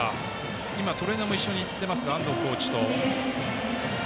トレーナーも一緒に行ってますが安藤コーチと。